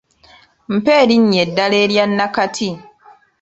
Mpa erinnya eddala erya nakati.